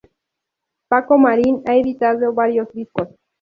Paco Marín ha editado varios discos.